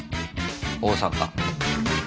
大阪。